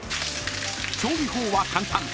［調理法は簡単］